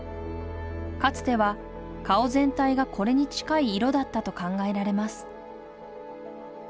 かつては顔全体がこれに近い色だったと考えられます